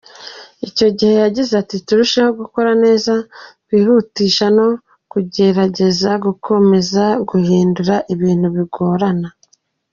Icyo ygihe yagize ati “Turusheho gukora neza, kwihutisha no kugerageza gukomeza guhindura ibintu bigorana.